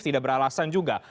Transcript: tidak beralasan juga